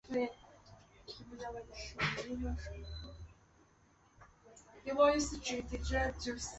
琥珀光学纳米陶瓷膜是采用纳米技术和陶瓷材质加工制作的一种玻璃膜。